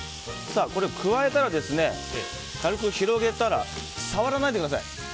加えたら、軽く広げたら触らないでください。